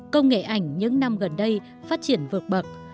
công nghệ ảnh những năm gần đây phát triển vượt bậc